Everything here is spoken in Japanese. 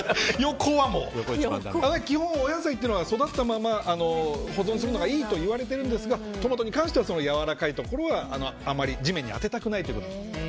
基本、お野菜は育ったままを保存するのがいいといわれているんですがトマトに関してはやわらかいところはあまり地面に当てたくないということです。